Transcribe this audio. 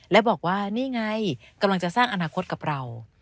และบอกว่านี่ไงกำลังจะสร้างอนาคตกับเรา